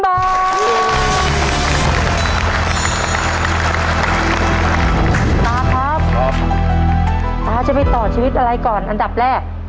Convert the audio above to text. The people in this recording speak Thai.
ตาครับตาจะไปต่อชีวิตอะไรก่อนอันดับแรก